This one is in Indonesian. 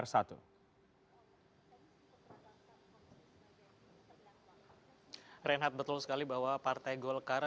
reinhardt betul sekali bahwa partai golkar